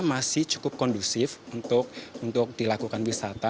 masih cukup kondusif untuk dilakukan wisata